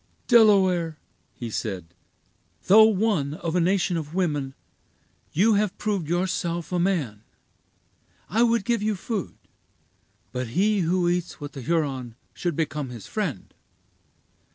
"Delaware," he said, "though one of a nation of women, you have proved yourself a man. I would give you food; but he who eats with a Huron should become his friend.